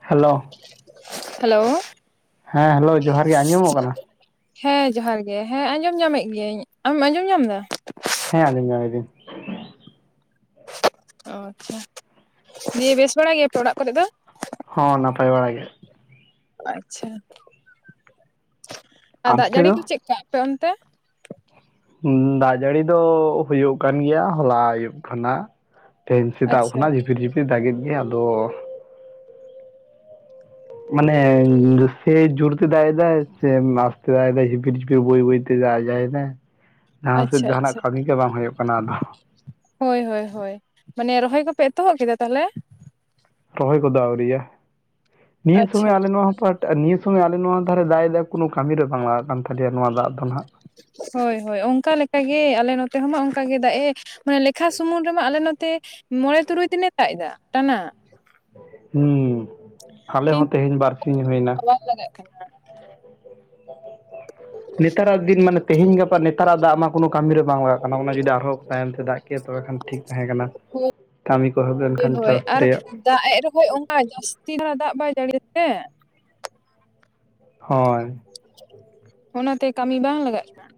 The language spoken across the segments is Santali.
ᱦᱮᱞᱳ ᱦᱮᱞᱳ ᱦᱮᱸ ᱦᱮᱞᱳ ᱡᱚᱦᱟᱨ ᱜᱮ ᱟᱸᱡᱚᱢᱚᱜ ᱠᱟᱱᱟ᱾ ᱦᱮᱸ ᱡᱚᱦᱟᱨ ᱜᱮ ᱦᱮᱸ ᱟᱸᱡᱚᱢ ᱧᱟᱢᱮᱫ ᱜᱤᱭᱟᱹᱧ ᱟᱢ ᱟᱸᱡᱚᱢ ᱧᱟᱢ ᱮᱫᱟ? ᱦᱮᱸ ᱟᱹᱡᱚᱢ ᱧᱟᱢ ᱮᱫᱤᱧ᱾ ᱚ ᱟᱪᱪᱷᱟ ᱫᱤᱭᱮ ᱵᱮᱥ ᱵᱟᱲᱟ ᱜᱮᱭᱟ ᱯᱮ ᱚᱲᱟᱜ ᱠᱚᱨᱮ ᱫᱚ? ᱦᱚᱸ ᱱᱟᱯᱟᱭ ᱵᱟᱲ ᱜᱮ᱾ ᱟᱪᱪᱷᱟ ᱟᱨ ᱫᱟᱜ ᱟᱱᱛᱮ ᱡᱟᱹᱲᱤ ᱫᱚ ᱠᱚ ᱪᱮᱫ ᱠᱟ ᱟᱯᱮ ᱚᱱᱛᱮ? ᱫᱟᱜ ᱡᱟᱹᱲᱤ ᱫᱚ ᱦᱩᱭᱩᱜ ᱠᱟᱱ ᱜᱮᱭᱟ ᱦᱚᱞᱟ ᱟᱹᱭᱩᱵ ᱠᱷᱚᱱᱟᱜ᱾ ᱛᱮᱦᱮᱱ ᱥᱮᱛᱟᱜ ᱟᱪᱪᱷᱟ ᱠᱷᱚᱱᱟᱜ ᱡᱷᱤᱯᱤᱨ ᱡᱷᱤᱯᱤᱨᱤ ᱫᱟᱜᱮᱫ ᱜᱮ ᱟᱫᱚ᱾ ᱢᱟᱱᱮ ᱥᱮ ᱡᱩᱲᱛᱮ ᱫᱟᱜ ᱮ ᱫᱟᱭ ᱥᱮ ᱥᱮ ᱟᱫᱚ ᱡᱷᱤᱯᱤᱨ ᱡᱷᱤᱯᱤᱨ ᱵᱟᱹᱭ ᱵᱟᱹᱭ ᱛᱮ [unintelligible] ᱡᱟᱦᱟᱸ ᱥᱮᱫ ᱟᱪᱪᱷᱟ ᱡᱟᱦᱟᱱᱟᱜ ᱟᱪᱪᱷᱟ ᱠᱟᱹᱢᱤ ᱜᱮ ᱵᱟᱝ ᱦᱩᱭᱩᱜ ᱠᱟᱱᱟ ᱟᱫᱚ᱾ ᱦᱳᱭ ᱦᱳᱭ ᱦᱳᱭ, ᱢᱟᱱᱮ ᱨᱚᱦᱚᱭ ᱠᱚᱯᱮ ᱮᱛᱚᱦᱚᱵ ᱠᱮᱫᱟ ᱛᱟᱦᱚᱞᱮ? ᱨᱚᱦᱚᱭ ᱠᱚ ᱫᱚ ᱟᱣᱨᱤᱭᱟ ᱱᱤᱭᱟᱹ ᱟᱪᱪᱷᱟ ᱥᱚᱢᱚᱭ ᱟᱞᱮ ᱱᱚᱣᱟ ᱦᱚᱸ ᱯᱟᱦᱴ ᱱᱤᱭᱟᱹ ᱥᱚᱢᱚᱭ ᱟᱞᱮ ᱱᱚᱣᱟ ᱫᱷᱟᱨᱮ ᱫᱟᱜ ᱮ ᱫᱟᱭ ᱠᱳᱱᱳ ᱠᱟᱹᱢᱤᱨᱮ ᱵᱟᱝ ᱞᱟᱜᱟᱜ ᱠᱟᱱ ᱛᱟᱞᱮᱭᱟ ᱱᱚᱣᱟ ᱫᱟᱜ ᱫᱚ ᱱᱟᱦᱟᱜ᱾ ᱦᱳᱭ ᱦᱳᱭ ᱚᱱᱠᱟᱠᱟ ᱞᱮᱠᱟ ᱜᱮ ᱟᱞᱮ ᱱᱚᱛᱮ ᱦᱚᱸᱢᱟ ᱚᱱᱠᱟ ᱜᱮ ᱫᱟᱜ ᱮ᱾ ᱢᱟᱱᱮ ᱞᱮᱠᱷᱟ ᱥᱩᱢᱩᱝ ᱨᱮᱢᱟ ᱟᱞᱮ ᱱᱚᱛᱮ ᱢᱚᱬᱮ ᱛᱩᱨᱩᱭ ᱫᱤᱱᱮ ᱫᱟᱜ ᱮᱫᱟ ᱴᱟᱱᱟ᱾ ᱦᱩᱸ ᱟᱞᱮ ᱦᱚᱸ ᱠᱤᱱᱛᱩ ᱛᱮᱦᱮᱧ ᱵᱟᱨᱥᱤᱧ ᱦᱩᱭᱱᱟ ᱵᱟᱝ ᱞᱟᱜᱟᱜ ᱠᱟᱱᱟ᱾ ᱱᱮᱛᱟᱨᱟᱜ ᱫᱤᱱ ᱢᱟᱱᱮ ᱛᱮᱦᱮᱧ ᱜᱟᱯᱟ ᱱᱮᱛᱟᱨ ᱟᱜ ᱫᱟᱜ ᱢᱟ ᱠᱳᱱᱳ ᱠᱟᱹᱢᱤ ᱨᱮ ᱵᱟᱝ ᱞᱟᱜᱟᱜ ᱚᱱᱟ ᱚᱱᱟ ᱡᱩᱫᱤ ᱟᱨᱦᱚᱸ ᱡᱩᱫᱤ ᱛᱟᱭᱚᱢ ᱛᱮ ᱫᱟᱜ ᱠᱮᱭᱟ ᱛᱚᱵᱮ ᱠᱷᱟᱱ ᱴᱷᱤᱠ ᱛᱟᱦᱮᱸ ᱠᱟᱱᱟ᱾ ᱠᱟᱹᱢᱤ ᱠᱚ ᱮᱦᱚᱵ ᱦᱳᱭ ᱞᱮᱱᱠᱷᱟᱱ ᱦᱳᱭ ᱪᱟᱥ ᱟᱨ ᱨᱮᱭᱟᱜ ᱫᱟᱜ ᱮᱜ ᱨᱮᱦᱚᱸ ᱚᱱᱠᱟ ᱡᱟᱹᱥᱛᱤ ᱢᱟ ᱫᱟᱜ ᱵᱟᱭ ᱡᱟᱹᱲᱤᱭᱟ ᱛᱮ ᱦᱳᱭ ᱚᱱᱟᱛᱮ ᱠᱟᱹᱢᱤ ᱵᱟᱝ ᱞᱟᱜᱟᱜ ᱠᱟᱱᱟ᱾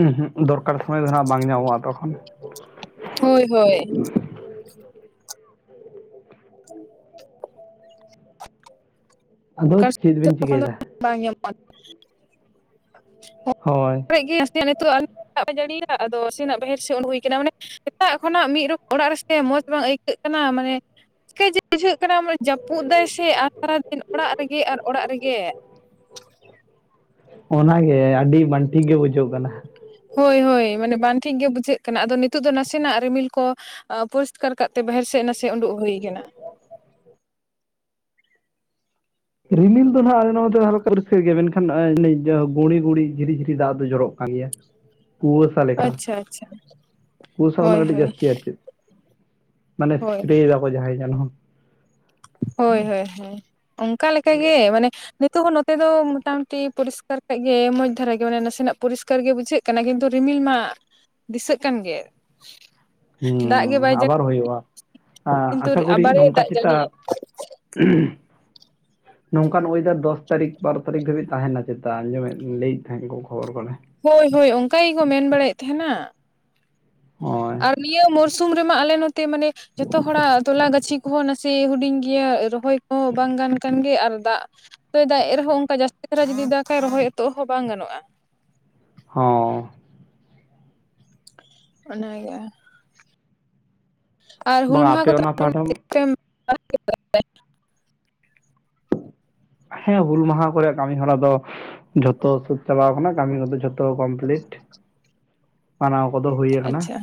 ᱩᱸᱦᱩᱜ ᱫᱚᱨᱠᱟᱨ ᱥᱚᱢᱚᱭ ᱫᱚ ᱱᱟᱜ ᱵᱟᱝ ᱧᱟᱢᱚᱜᱼᱟ, ᱛᱚᱠᱷᱚᱱ᱾ ᱦᱳᱭ ᱦᱳᱭ [inaudible] ᱟᱫᱚ ᱚᱠᱟ ᱥᱚᱢᱚᱭ ᱪᱮᱫ ᱫᱚ ᱵᱤᱱ ᱛᱚᱠᱷᱚᱱ ᱫᱚ ᱪᱤᱠᱟᱹᱭᱮᱫᱟ ᱵᱟᱝ ᱧᱟᱢᱚᱜᱼᱟ᱾ ᱦᱳᱭ ᱠᱚᱨᱮ ᱜᱮ ᱱᱟᱥᱮ ᱱᱤᱛᱚᱜ ᱫᱟᱜ ᱮ ᱡᱟᱹᱲᱤᱭ ᱮᱫᱟ ᱟᱫᱚ ᱥᱮ ᱱᱟᱜ ᱵᱟᱦᱮᱨ ᱥᱮᱫ ᱩᱰᱩ ᱦᱩᱭ ᱠᱟᱱᱟ, ᱢᱟᱱᱮ ᱥᱮᱛᱟᱜ ᱠᱷᱚᱱᱟᱜ ᱢᱤᱫ ᱨᱚᱠ ᱚᱲᱟᱜ ᱨᱮᱥᱮ ᱢᱚᱡᱽ ᱵᱟᱝ ᱟᱹᱭᱠᱟᱹᱜ ᱠᱟᱱᱟ ᱢᱟᱱᱮ ᱪᱤᱠᱟᱹᱭ ᱡᱮ ᱵᱩᱡᱷᱟᱹᱜ ᱠᱟᱱᱟ ᱡᱟᱹᱯᱩᱫ ᱫᱟᱭ ᱥᱮ ᱟᱨ ᱥᱟᱨᱟ ᱫᱤᱱ ᱚᱲᱟᱜ ᱨᱮᱜᱮ ᱟᱨ ᱚᱲᱟᱜ ᱨᱮᱜᱮ ᱚᱱᱟ ᱜᱮ ᱟᱹᱰᱤ ᱵᱟᱝᱟ ᱴᱷᱤᱠ ᱜᱮ ᱵᱩᱡᱷᱟᱹᱜ ᱠᱟᱱᱟ᱾ ᱦᱳᱭ ᱦᱳᱭ ᱢᱟᱱᱮ ᱵᱟᱝ ᱴᱷᱤᱠ ᱜᱮ ᱵᱩᱡᱷᱟᱹᱜ ᱠᱟᱱᱟ ᱟᱫᱚ ᱱᱤᱛᱚᱜ ᱫᱚ ᱱᱟᱥᱮᱱᱟᱜ ᱨᱤᱢᱤᱞ ᱠᱚ ᱯᱚᱨᱤᱥᱠᱟᱨ ᱠᱟᱜᱛᱮ ᱵᱟᱦᱮᱨ ᱥᱮᱫ ᱱᱟᱥᱮ ᱩᱰᱩᱠ ᱦᱩᱭ ᱠᱟᱱᱟ᱾ ᱨᱤᱢᱤᱞ ᱫᱚ ᱦᱟᱜ ᱟᱞᱮ ᱱᱚᱛᱮ ᱫᱚ ᱦᱟᱞᱠᱟ ᱨᱤᱠᱷᱟ ᱜᱮ ᱢᱮᱱᱠᱷᱟᱱ ᱜᱩᱲᱤ ᱜᱩᱲᱤ ᱡᱷᱤᱨᱤ ᱡᱷᱤᱨᱤ ᱫᱟᱜ ᱫᱚ ᱡᱚᱨᱚᱜ ᱠᱟᱱ ᱜᱮᱭᱟ᱾ ᱠᱩᱣᱟᱹᱥᱟ ᱞᱮᱠᱟ ᱟᱪᱪᱷᱟ ᱟᱪᱪᱷᱟ ᱠᱩᱣᱟᱹᱥᱟ ᱠᱷᱚᱱᱟᱜ ᱦᱳᱭ ᱠᱟᱹᱴᱤᱡ ᱦᱳᱭ ᱡᱟᱹᱥᱛᱤ ᱟᱨ ᱪᱮᱫ᱾ ᱢᱟᱱᱮ ᱦᱳᱭ ᱮᱥᱯᱨᱮ ᱮᱫᱟᱠᱚ ᱡᱟᱦᱟᱸᱭ ᱡᱮᱱᱚ᱾ ᱦᱳᱭ ᱦᱳᱭ ᱦᱳᱭ, ᱚᱱᱠᱟ ᱞᱮᱠᱟ ᱜᱮ ᱢᱟᱱᱮ ᱱᱤᱛᱚᱜ ᱦᱚᱸ ᱱᱚᱛᱮ ᱫᱚ ᱢᱚᱴᱟ ᱢᱩᱴᱤ ᱯᱚᱨᱤᱥᱠᱟᱨ ᱠᱟᱜ ᱜᱮ ᱢᱚᱡᱽ ᱫᱷᱟᱨᱟ ᱜᱮ ᱢᱟᱱᱮ ᱱᱟᱥᱮᱱᱟᱜ ᱯᱚᱨᱤᱥᱠᱟᱨ ᱜᱮ ᱵᱩᱡᱷᱟᱹᱜ ᱠᱟᱱᱟ ᱠᱤᱱᱛᱩ ᱨᱤᱢᱤᱞ ᱢᱟ, ᱫᱤᱥᱟᱹᱜ ᱠᱟᱱ ᱜᱮ᱾ ᱫᱟᱜ ᱜᱮ ᱦᱩᱸᱻ ᱵᱟᱭ ᱡᱟᱹᱲᱤ ᱟᱵᱟᱨ ᱦᱩᱭᱩᱜᱼᱟ, ᱟ ᱠᱤᱱᱛᱩ ᱟᱪᱷᱟ ᱜᱩᱨᱤ ᱟᱵᱟᱨᱮ ᱱᱚᱝᱠᱟ ᱫᱟᱜ ᱪᱮᱛᱟᱼᱼ ᱡᱟᱹᱲᱤᱭᱟ [inaudible] ᱱᱚᱝᱠᱟᱱ ᱦᱚᱭᱫᱟ ᱫᱚᱥ ᱛᱟᱹᱨᱤᱠᱷ ᱵᱟᱨᱚ ᱛᱟᱹᱨᱤᱠᱷ ᱫᱷᱟᱹᱵᱤᱡ ᱛᱟᱦᱮᱱᱟ ᱪᱮᱛᱟᱜ ᱟᱸᱡᱚᱢᱮᱫ ᱞᱟᱹᱭᱮᱫ ᱛᱟᱦᱮᱸᱫ ᱠᱚ ᱠᱷᱚᱵᱚᱨ ᱠᱚᱨᱮ᱾ ᱦᱚᱭ ᱦᱚᱭ ᱚᱱᱠᱟ ᱜᱮᱠᱚ ᱢᱮᱱ ᱵᱟᱲᱟᱭᱮᱫ ᱛᱟᱦᱮᱱᱟ᱾ ᱦᱳᱭ ᱟᱨ ᱱᱤᱭᱟᱹ ᱢᱚᱨᱥᱩᱢ ᱨᱮᱢᱟ ᱟᱞᱮ ᱱᱚᱛᱮ ᱢᱟᱱᱮᱼᱼ ᱡᱚᱛᱚ ᱦᱚᱲᱟᱜ ᱛᱚᱞᱟ ᱜᱟᱹᱪᱷᱤ ᱠᱚᱦᱚᱸ ᱱᱟᱥᱮ ᱦᱩᱰᱤᱧ ᱜᱮᱭᱟ ᱨᱚᱦᱚᱭ ᱠᱚᱦᱚᱸ ᱵᱟᱝ ᱠᱟᱱ ᱜᱮ ᱟᱨ ᱫᱟᱜᱼᱼ [unintelligible] ᱛᱚᱭ ᱫᱟᱜ ᱮ ᱨᱮᱦᱚᱸ ᱚᱱᱠᱟ ᱡᱟᱹᱥᱛᱤ ᱫᱷᱟᱨᱟ ᱡᱩᱫᱤ ᱫᱟᱜ ᱠᱷᱟᱭ ᱨᱚᱦᱚᱭ ᱮᱛᱚᱦᱚᱜ ᱦᱚᱸ ᱵᱟᱝ ᱜᱟᱱᱚᱜᱼᱟ᱾ ᱦᱚᱸᱻ ᱚᱱᱟ ᱜᱮ᱾ ᱟᱨ ᱦᱩᱞ ᱵᱟᱝ ᱢᱟᱦᱟ ᱟᱯᱮ ᱠᱚ ᱫᱚ ᱚᱱᱟ ᱯᱟᱦᱴᱟ [unintelligible] ᱦᱮᱸ ᱦᱩᱞ ᱢᱟᱦᱟᱸ ᱠᱚ ᱨᱮᱭᱟᱜ ᱠᱟᱹᱢᱤ ᱦᱚᱨᱟ ᱫᱚ ᱡᱷᱚᱛᱚ ᱥᱟᱹᱛ ᱪᱟᱞᱟᱣ ᱟᱠᱟᱱᱟ, ᱠᱟᱹᱢᱤ ᱠᱚᱫᱚ ᱫᱚ ᱡᱚᱛᱼᱼ ᱛᱚ ᱠᱚᱢᱯᱞᱤᱴ, ᱢᱟᱱᱟᱣ ᱠᱚᱫᱚ ᱦᱩᱭ [unintelligible] ᱟᱪᱪᱷᱟ,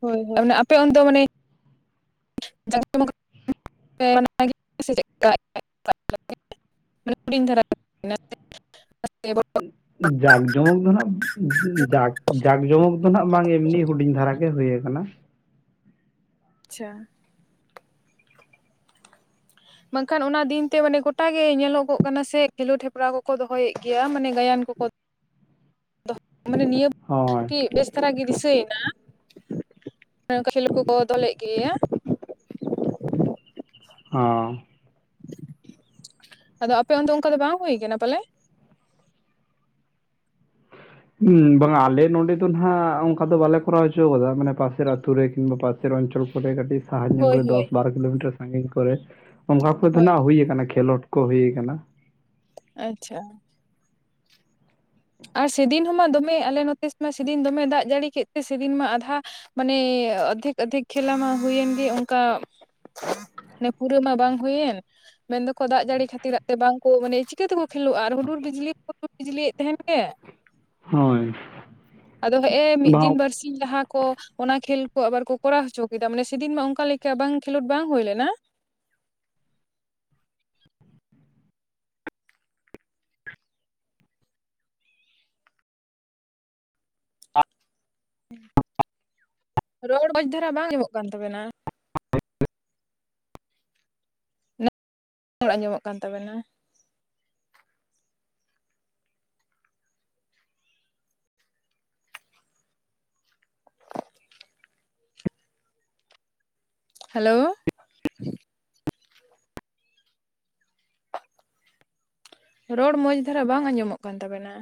ᱦᱚᱭ ᱦᱚᱭ ᱟᱯᱮ ᱚᱱᱛᱮ ᱫᱚ ᱢᱟᱱᱮᱼᱼ [unintelligible] [unintelligible] ᱢᱟᱱᱮ ᱦᱩᱰᱤᱝ ᱫᱷᱟᱨᱟ [unintelligible] [unintelligible] ᱡᱟᱠ ᱡᱚᱢᱚᱠ ᱫᱚ ᱱᱟᱦᱟᱸᱜ, ᱡᱟᱠ ᱡᱟᱠ ᱡᱚᱢᱚᱠ ᱫᱚ ᱱᱟᱦᱟᱸᱜ ᱵᱟᱝ ᱮᱢᱱᱤ ᱦᱩᱰᱤᱧ ᱫᱷᱟᱨᱟ ᱜᱮ ᱦᱩᱭ ᱟᱠᱟᱱᱟ ᱾ ᱟᱪᱪᱷᱟ ᱵᱟᱝᱠᱷᱟᱱ ᱚᱱᱟ ᱫᱤᱱ ᱛᱮ ᱢᱟᱱᱮ ᱜᱚᱴᱟ ᱜᱮ ᱧᱮᱞᱚᱜᱚᱜ ᱠᱟᱱᱟ ᱥᱮ ᱠᱷᱮᱞᱳᱰ ᱦᱮᱯᱨᱟᱣ ᱠᱚᱠᱚ ᱫᱚᱦᱚᱭᱮᱜ ᱜᱮᱭᱟ, ᱢᱟᱱᱮ ᱜᱟᱭᱟᱱ ᱠᱚᱠᱚᱼᱼ [inaudible] ᱫᱚ [unintelligible] ᱢᱟᱱᱮ ᱱᱤᱭᱟᱹ ᱦᱳᱭ [unintelligible] ᱠᱤ ᱵᱮᱥᱼᱼ ᱛᱟᱨᱟ ᱜᱮ ᱫᱤᱥᱟᱹᱭᱮᱱᱟ [unintelligible] ᱚᱱᱠᱟ ᱠᱷᱮᱞ ᱠᱚᱠᱚ ᱫᱚᱦᱚᱞᱮᱜ ᱜᱮᱭᱟ᱾ ᱟᱸᱻ ᱟᱫᱚ ᱟᱯᱮ ᱚᱱᱛᱮ ᱚᱝᱠᱟ ᱫᱚ ᱵᱟᱝ ᱦᱩᱭ ᱟᱠᱟᱱᱟ ᱯᱟᱞᱮ? ᱩᱸ ᱵᱟᱝᱼᱟ, ᱟᱞᱮ ᱱᱚᱰᱮ ᱫᱚ ᱱᱟᱦᱟᱜ ᱚᱱᱠᱟ ᱫᱚ ᱵᱟᱞᱮ ᱠᱚᱨᱟᱣ ᱚᱪᱚ ᱠᱟᱫᱟ ᱢᱟᱱᱮ ᱯᱟᱥᱮᱨ ᱟᱛᱩ ᱨᱮ ᱠᱤᱝᱵᱟ ᱯᱟᱼᱼ [unintelligible] ᱨᱚ ᱚᱧᱪᱚᱞ ᱠᱚᱨᱮ ᱠᱟᱹᱴᱤᱡ ᱥᱟᱦᱟ ᱧᱚᱜ ᱦᱳᱭ ᱨᱮ ᱦᱳᱭ ᱫᱚᱥ ᱵᱟᱨᱚ ᱠᱤᱞᱳᱢᱤᱴᱟᱨ ᱥᱟᱸᱜᱤᱧ ᱠᱚᱨᱮᱼᱼ ᱚᱝᱠᱟ ᱠᱚ ᱛᱚ ᱦᱳᱭ ᱱᱷᱟᱜ ᱦᱩᱭ ᱟᱠᱟᱱᱟ ᱠᱷᱮᱞᱟᱰ ᱠᱚ ᱦᱩᱭ ᱟᱠᱟᱱᱟ᱾ ᱟᱪᱪᱷᱟ ᱟᱨ ᱥᱮᱫᱤᱱ ᱦᱚᱸ ᱢᱟ ᱫᱚᱢᱮ ᱟᱞᱮ ᱱᱚᱛᱮ ᱢᱟ, ᱥᱮᱫᱤᱱ ᱫᱚᱢᱮ ᱫᱟᱜ ᱡᱟᱹᱲᱤ ᱠᱮᱜ ᱛᱮ ᱥᱮᱫᱤᱱ ᱢᱟ ᱟᱫᱷᱟᱼᱼ ᱢᱟᱱᱮ ᱚᱫᱷᱮᱠ ᱚᱫᱷᱮᱠ ᱠᱷᱮᱞᱟ ᱢᱟ ᱦᱩᱭᱮᱱ ᱜᱮ ᱚᱝᱠᱟᱼᱼ [unintelligible] ᱱᱮ ᱯᱩᱨᱟᱹ ᱢᱟ ᱵᱟᱝ ᱦᱩᱭᱮᱱ ᱢᱮᱱ ᱫᱚᱠᱚ ᱫᱟᱜ ᱡᱟᱹᱲᱤ ᱠᱷᱟᱹᱛᱤᱨᱟᱜ ᱛᱮ ᱵᱟᱝᱠᱚ ᱢᱟᱱᱮ [unintelligible] ᱪᱤᱠᱟᱹ ᱛᱮᱠᱚ ᱠᱷᱮᱞᱚᱜᱼᱟ ᱟᱨ ᱦᱩᱰᱩᱨ ᱵᱤᱡᱽᱞᱤ ᱦᱩᱰᱩᱨ ᱵᱤᱡᱽᱞᱤᱭᱮᱜ ᱛᱟᱦᱮᱸᱱ ᱜᱮ᱾ ᱦᱚᱭ ᱟᱫᱚ ᱦᱮᱜ ᱮ ᱢᱤᱜ ᱫᱤᱱ ᱵᱟᱨᱥᱤᱼᱼ ᱥᱤᱧ ᱞᱟᱦᱟ ᱠᱚ ᱚᱱᱟ ᱠᱷᱮᱞ ᱠᱚ ᱟᱵᱟᱨ ᱠᱚ ᱠᱚᱲᱟ ᱦᱚᱪᱚ ᱠᱮᱫᱟ, ᱢᱟᱱᱮ ᱥᱮ ᱫᱤᱱ ᱢᱟ ᱚᱝᱠᱟ ᱞᱮᱠᱟ ᱵᱟᱝ ᱠᱷᱮᱞᱚᱰ ᱵᱟᱝ ᱦᱩᱭ ᱞᱮᱱᱟ᱾ ᱨᱚᱲ ᱢᱚᱡᱽ ᱫᱷᱟᱨᱟ ᱵᱟᱝ ᱟᱸᱡᱚᱢᱚᱜ ᱠᱟᱱ ᱛᱟᱵᱮᱱᱟ᱾ ᱱᱮᱛ [unintelligible] [unintelligible] ᱚᱲ ᱟᱸᱡᱚᱢᱚᱜ ᱠᱟᱱ ᱛᱟᱵᱮᱱᱟ ᱦᱟᱞᱳᱻ ᱨᱚᱲ ᱢᱚᱸᱡᱽ ᱫᱷᱟᱨᱟ ᱵᱟᱝ ᱟᱸᱡᱚᱢᱚᱜ ᱠᱟᱱ ᱛᱟᱵᱮᱱᱟ᱾